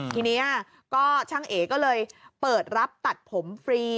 ทีนี้ก็ช่างเอ๋ก็เลยเปิดรับตัดผมฟรี